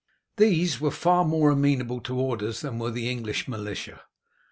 These were far more amenable to orders than were the English militia.